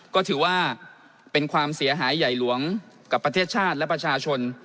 ก็ถือว่าเป็นความเสียหายใหญ่หลวงกับประเทศชาติและประชาชน